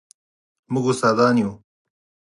موږ استادان یو